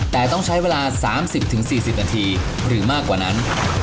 แต่ต้องใช้เวลา๓๐๔๐นาทีหรือมากกว่านั้น